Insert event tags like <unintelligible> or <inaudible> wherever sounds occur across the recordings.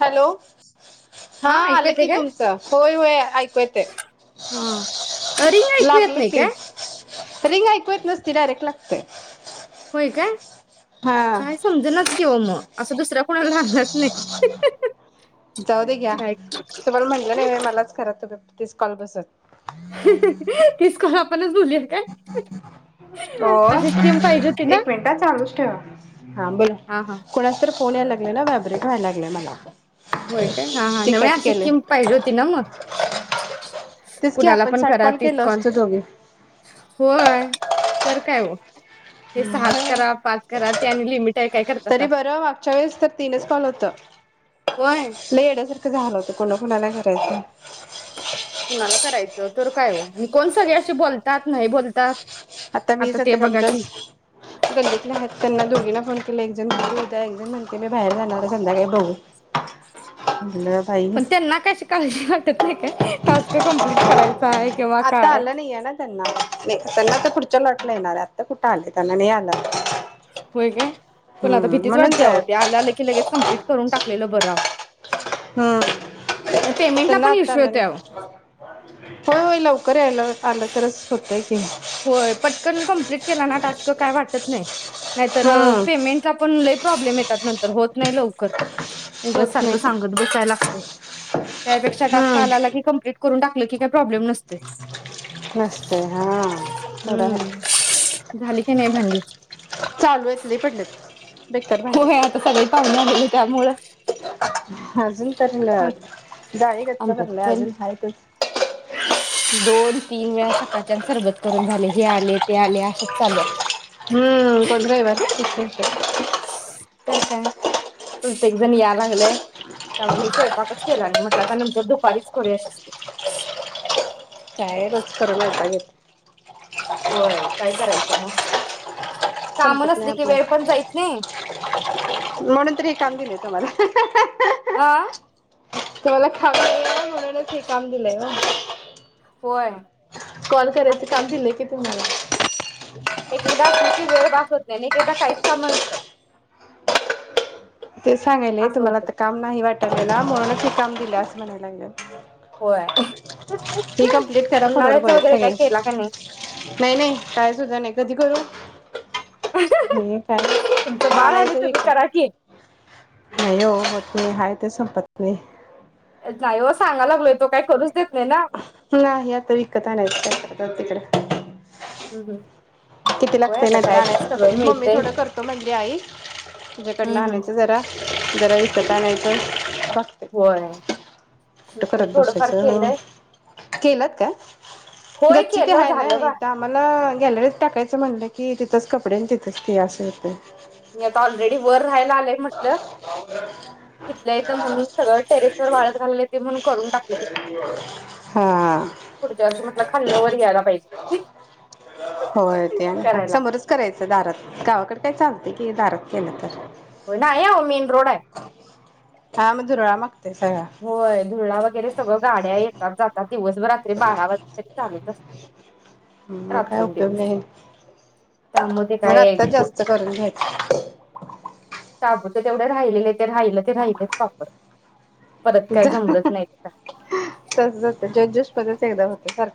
Hello हा ऐकू आलं येते की काय तुमचा होय-होय ऐकू येतय हा रिंग ऐकू येत लागलं नाही की काय रिंग ऐकू येत नस ते डायरेक्ट लागतंय होय काय काय समजनेच की हो मग असं दुसऱ्या कोणाला लागणास जाउदे घ्या काय तुम्हाला म्हटलं ना हे मलाच करायचं ते कीच कॉल बसत तीच कॉल आपणच बोलूया काय ओ अशी स्कीम पाहिजे होती ना एक मिनिट ह चालूच ठेवा हा बोल हा हा कोणाचतर फोन यायला लागलाय ना व्हायब्रेट काय व्हायला लागलय मला होय काय हा हा ती नवे कट अशी केले स्कीम पाहिजे होती ना म तेच की कुणाला आपण पण साठ करालतीस केलो कॉल असतो दोघी होय तर काय ओ ते सहाच करा पाच कराती आणि लिमिट आहे काय करतासा तरी बरं मागच्या वेळेस तर तीनच कॉल होतं. व्हय <unintelligible> झालं होतं कुणा कुणाला करायचा कुणाला कराय नाहीतर काय हो कोण सगळ्यांशी बोलतात नाही बोलतात. आता मी ते जाते बघा की कामचास <unintelligible> त्यांना दोघींना फोन केला आहे एक जण तर मी म्हणते मी बाहेर जाणार आहे संध्याकाळी बघू. बाई पण त्यांना त्याची काळजी वाटत नाही काय टास्क कम्प्लीट करायचा आहे किंवा आता काय आलं च्या लॉटला येणारे आत्ता कुठ आलंय त्यांना नाई आलं आता. व्हय काय? पण आता भीतीच वाटते तर अहो ते आलं आलं की लगेच कम्प्लीट करून टाक टाकलेला बरा होय त्यांना पण आता इश्यू आलं न येतोय अहो होय होय लव <unintelligible> आला तरचं होतय की होय पटकन कम्प्लीट केला ना टास्क काय वाटत नाय नाहीतर हम्म पेमेंटला पण लई प्रॉब्लेम येतात नंतर होत नाही लवकर उगाच होत सारखं नाही. सांगत बसाय लागतंय त्यापेक्षा टास्क आला हम्म की कम्प्लीट करून टाकलं की काय प्रॉब्लेम नसतय. मस्त आहे हा थोडा आहे. हम्म झाले मी नाय भांडीत चालू आहेत लय पडल्यात होय आता सगळे पाहुणे आलेले त्यामुळे अजून तर ल जाळी गच्च आमच्यात भरल्या पण अजून आहेतच. दोन तीन वेळा सकाळच्या आणि सरबत करून झाले हे आले ते आले ते आलं असाच चालले. हां <unintelligible> तर काय प्रत्येक जण याय लागल्या, त्यामुळे मी स्वयंपाकच केला नाही म्हटला दुपारीच करूया शिस्तीत. काय रोज करून वैताग येतो. होय काय करायच मग काम संपत नाही नसली की वेळ पण आपलं जायत नाही म्हणून तर हे काम केले हह हह आ कोणाला काम नाहीये म्हणूनच हे काम दिले आहे. होय कॉल करायचं असली काम दिले की <unintelligible> एक एकदा असलं की वेळ भास होत नाही तर इदा काहीच काम नसतात. तेच सांगायला असं तुम्हाला होत तर काम नाही वाट त्यांना म्हणूनच हे काम दिले असले लागते. होय हे कम्प्लीट करा फोनवर उन्हाळ्याचं बोलत वगैरे सगळे काय केला का नाही नाही नाही काय सुद्धा नाही कधी करू तुमचं बाळ आणि आणायचे तुम्ही विकत करा की <unintelligible> ते संपत नाही काय हो सांगा लागलं तो काय करू? मी हा हे आता विकत आणायचा आता तिकडं हम्म हम्म मम्मी थोडं करतो म्हटली आई, तिच्याकडं हम्म हम्म. आणायचं जरा जरा विकत आणायच्या होय मी कुठे पण करत थोडंफार बसायचं हं केलंय. केल्यात काय होय गच्ची ते केलं आहे ना झालं बा. इथे आम्हाला गॅलरी टाकायचं म्हणलं की तिथेच कपडे आणि तिथेच ते असे होते. मी आता ऑलरेडी वर राहायला आलं आहे म्हणटलं, घेतलं आहेत म्हणून सगळं टेरेसवर वाळत घालले ते म्हणून करून टाकलं ते हा पुढच्या वर्षी म्हटलं खाल्ल्यावर यायला पाहिजे, करायला गावाकडं काय चालतय की दारात केलं तर नाही आवो मेन रोड हाय हा मग धुरळा माग होय धुरळा वगेरे सगळं गाड्या येतात जातात दिवसभर अस ते बारा वाजल तरी चालुच असतंय मग काय रात्रअन उपयोग दिवस नाही त्यामुळं ते मग काय आत्ता जास्त करून घ्यायचं शाबुच तेवढं राहिलेलं ते राहिलं त राहिलच पापड परत काय जमलच नाही क <unintelligible> परत एकदा होतंय करा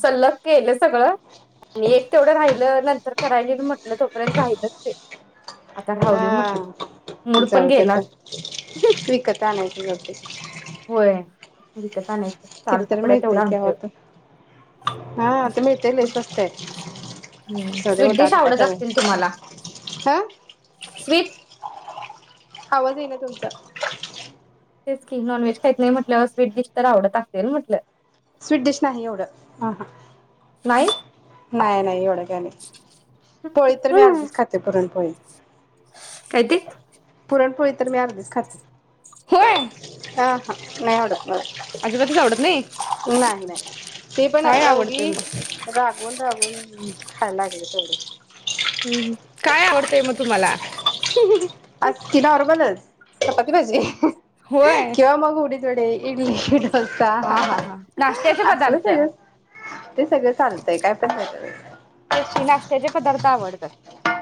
सल्लग केलं सगळ आणि एक तेवढं राहिलं नंत तर करायला येईल म्हंटल तोपर्यत राहिलंच ते आता ह.. राहू दे म्हटलं ते मूड पण जाऊ दे गेला आता विकत आणायच जाऊदे होय विकत आणाय किती तरी मिळतय की आहो आता हा आता मिळतय लई स्वस्त हायत हं स्वीटडिश आवडत असतील तुम्हाला हा स्वीट आवज येईना तुमचा तेचकि नॉनव्हेज खाईत नाही म्हटल्यावर स्वीटडीश आवडत असेल म्हंटल स्वीटडीश नाही एवढं आ हा नाही नाय नाय एवढ पोळी तर मी अर्धीच खाते पुरणपोळी काय ते तरी मी अर्धीच खाते होय ह हा नाय आवडत मला अजिबातच आवडत नाई नाही नाय ती पण आता उघी रागवून रागून हम्म खाय लागले थोडी ते मग तुम्हाला आज ती नॉर्मलच चपाती भाजी होय किंवा मग उडीद कडे इडली डोसा हा हा हा नाश्त्याचे असलं पदार्थ सगळं तेच ते सगळं चालतंय काय पण की नाश्त्याचे पदार्थ आवडतात.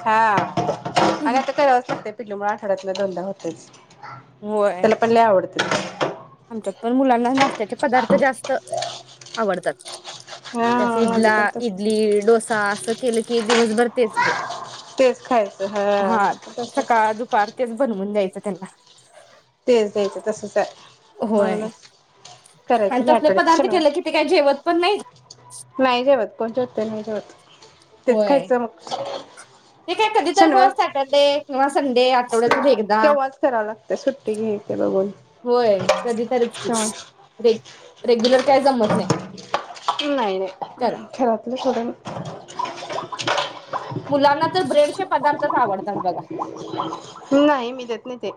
हा आणि आता करावच लागतयं पिलुमुळ आठवड्यातन दोनदा होत <inaudible> होय त्यालापण लय आवडतय. आमच्यात पण मुलांना नाश्त्याचे पदार्थ जास्त आवडतात. त्यास हा माझं पण तसंच आहे इडला-इडली डोसा असं केलं की दिवसभर तेच ब तेच खायचं हा तसंच सकाळ, दुपार तेच बनवून द्यायचं. त्यांना तेच द्यायचं तसच हाय. मला होय. न आणि करायचा ना तसले पदार्थ कडेक्शन वर केले की ते काय जेवत पण नाहीत. नाय जेवत कोनच्या त्या नाय जेवत तेच होय. खायचं मग ते काय कधी तर बघ शनिवार सॅटरडे किंवा संडे आठवड्यातून एकदा तेव्हाच करावं लागत सुट्टी घ्यायची बघून होय कधीतरीच की रे रेग्युलर काय जमत नाही नाही नाही करा. घरातलं सोडण <unintelligible> मुलांना तर ब्रेडचे पदार्थच आवडतात बघा, नाही मी देत नाही ते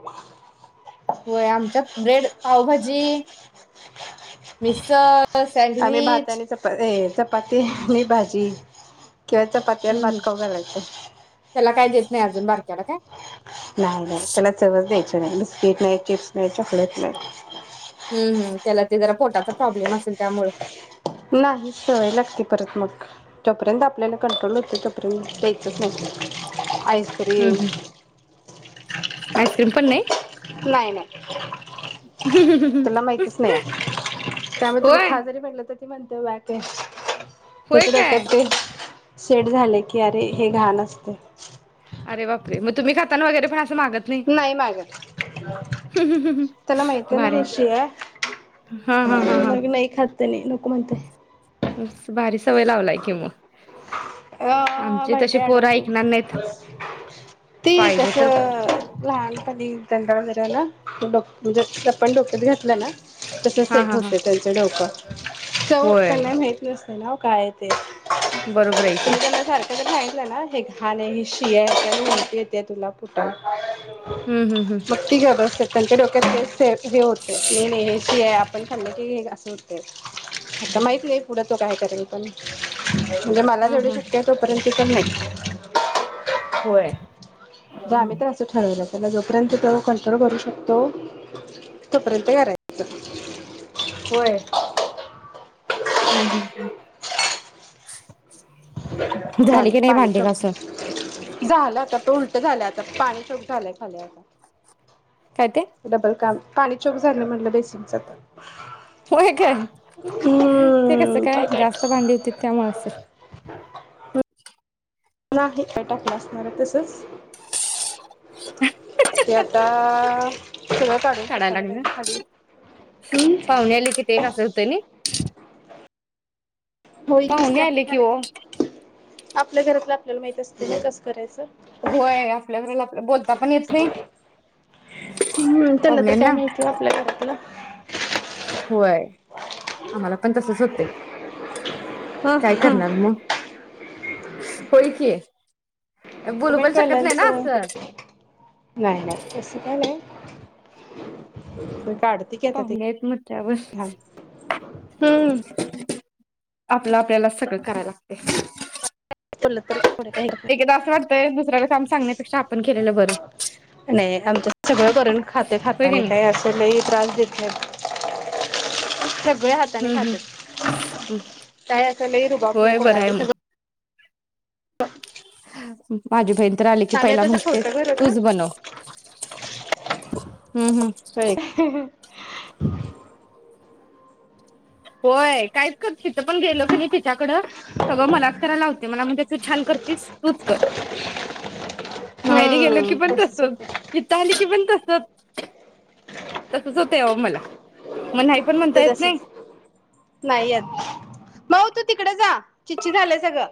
होय आमच्यात ब्रेड पावभाजी, मिसळ आम्ही भात सँडविच आणि चपा ए चपाती आणि भाजी केळ्याचा पत्त्यानं हम्म हम्म. पात <unintelligible> याचा ते अजून बारक्याला काय? नाही-नाही त्याला चवच द्यायची नाही, बिस्कीट नाही, चिप्स नाही, चॉकलेट नाही हुं हुं त्याला ते जरा पोटाचा प्रोब्लेम असेल त्यामुळे नाही सवय लागते परत मग तोपर्यंत आपल्या कन्फर्म होत नाही तोपर्यंत प्यायचंच नाही. हूं आईस्क्रीम हूं आइस्क्रीम पण नाही नाही नाही तुला माहितच नाही आहे होय पण त्या <unintelligible> होय काय तिकडे <unintelligible> सेट झालं की आरे हे घालच तू अरे बापरे मग तुम्ही खाताना वगैरे पण असं मागत नाही मागत त्यांना माहिती आहे ना भारी हे शीळ हा हा हा आहे हा मग नाही खात तेनी नको म्हणते हम्म बारीस या आमचे तसे भंट्या पोरं अडकील ऐकणार नाहीत ठीक आहे पाहिजे तर चल लहानपणे <unintelligible> जर चप्पल डोक्यात घातला ना तसं हा सेट हा हा होतय त्याचं डोक चव होय त्यांना माहित नसतय ना काय ते बरोबर आहे <inaudible> की त्याला जर सारखं जर सांगितलं ना हे घाण ये हे शी ये त्यांनं उलटी येती तुला हम्म हम्म हम्म मग ती गप्प बसतात त्यांच्या डोक्यात तेच <unintelligible> हे होतय नाही नाही शी ये आपण खाल की हे अस होतय आता माहीत नाही पुढ तो काय करेल? <unintelligible> म्हणजे मला हम् हम् जेवढ हम शिकता येत तोपर्यंत तर नाही होय आम्ही तर अस ठरवलं त्याला जोपर्यंत कंट्रोल करू शकतो तोपर्यंत करायचं होय हम्म हम्म हम्म <unintelligible> झाल की नाही पाणी भांडी घासून सोडते झालं आता झाल आता पाणी झालं खाली आता काय ते डबल काम पाणी चोक झालं म्हणलं बेसिनच होय काय? ते कस? काय? जास्त भांडी होती त्यामुळे असेल नाही काही टाकलं असणार तसच <inaudible> ते आता सगळ काढून काढाय बसायला लागलं पाहिजे खाली पाहुणे आले कि ते एक आम् असं होतं नी पाहुणे आले की ओ घरात आपल्या घरातलं आपल्याला माहित असतं कस करायचं. होय आपल्याकडे आपल्या बोलता पण येत नाही हम्म त्यांना तर काय पाहुण्यांना माहित आपल्या घरातलं. होय आम्हाला मला पण तसंच होतय काय करणार मग? होय की <unintelligible> बोलू पण शकत नाही ना असं नाही नाही तस काही नाही <unintelligible> काढते की आता ती पाहुणे आहेत म्हटल्यावर घाण हम्म आपलं आपल्यालाच सगळ करायला लागतय <unintelligible> <unintelligible> नाही दुसऱ्याला काम सांगण्यापेक्षा आपण केलेलं बरं आमच्यात सगळ करून खातात होय की हातानी नाही लय असा त्रास देत नाही ते हातानी हम्म हम्म खातात हम्म काही अस लइ रुबाब नाही होय बरं कोणाच आहे <unintelligible> भाजी झईल त्र आले की आम्ही पहिला तसं म्हणते छोटं घर होत ना. तूच बनव होय <unintelligible> होय काय तिथं पण गेलो क नई तिच्याकड, सगळं मलाच करायला लावते तू छान करतेस तूच कर. माहेरी गेली की हम्म पण तसच तसंच होत इथे आले की पण तसच. तसच होतय अहो मला मग नाही पण म्हणता ते येत नाही. तसच नाही येत. माऊ तू तिकडे जा, छी छी झालंय सगळं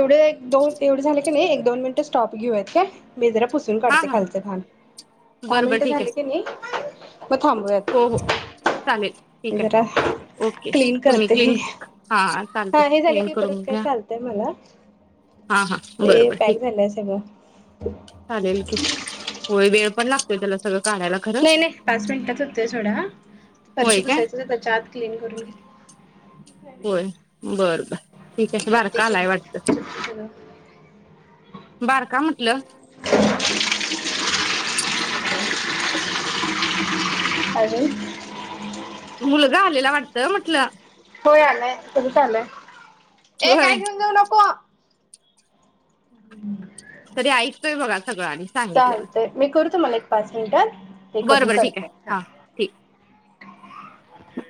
एवढे दोन झाले क नई एक दोन मिनिटं स्टॉप घेऊ यात काय मी जरा पुसून हा काढते हा खालची घाण दहा बरं बरं मिनिटे ठीक झाली आहे कनी मग थांबूयात हो हो चालेल मी ठीक आहे जरा ओके क्लीन तुम्ही करते. क्लीन हा चालते पाणी झाल क्लीन की परत करून काय घ्या चालतय मला हा हा ये बरोबर ठीक पॅक आहे झाला सगळ चालेल की होय वेळ पण नसतोय त्याला सगळं काढायला खरं नाही नाही पाच मिनिटात होतया सोडा फरशी होय काय पुसायच तेच्या आत क्लीन करून होय बर बर ते ठीकये करते बारका की आलाय वाटत सगळं. बारका म्हटलं <inaudible> <inaudible> मुलगा आलेला वाटत म्हटलं होय आलाय परत आलाय ये होय काय घेऊन जाऊ नको. <inaudible> तरी ऐकतोय बघा सगळं आणि सांगितलेलं चालतंय मी करू तुम्हाला एक पाच मिनिटात हे बर करून बरं ठीक आहे करते हा ठीक हाय..